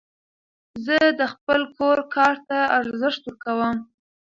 زه د خپل کور کار ته ارزښت ورکوم.